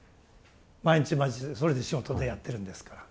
毎日毎日それで仕事でやってるんですから。